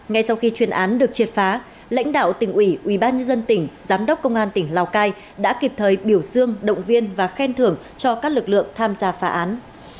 ngay sau khi chuyên án được triệt phá lãnh đạo tỉnh ủy ubnd tỉnh giám đốc công an tỉnh lào cai đã kịp thời biểu dương động viên và khen thưởng cho các lực lượng tham gia phá án